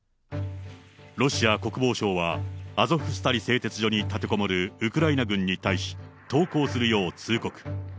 ロシア国防省は、アゾフスタリ製鉄所に立てこもるウクライナ軍に対し、投降するよう通告。